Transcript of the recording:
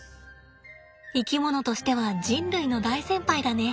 生き物としては人類の大先輩だね。